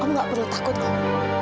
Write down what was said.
om gak perlu takut om